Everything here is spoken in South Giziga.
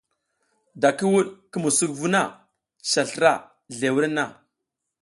Da ki wuɗ ki musuk vu na, cica slra zle wurenna.